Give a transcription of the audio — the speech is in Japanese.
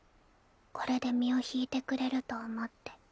これで身を引いてくれると思って。